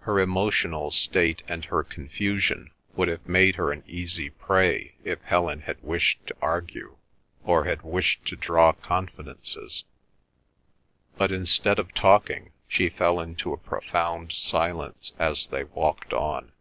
Her emotional state and her confusion would have made her an easy prey if Helen had wished to argue or had wished to draw confidences. But instead of talking she fell into a profound silence as they walked on.